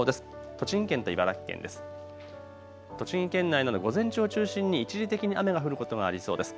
栃木県内など午前中を中心に一時的に雨が降ることがありそうです。